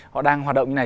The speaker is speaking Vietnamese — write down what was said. họ đang hoạt động như này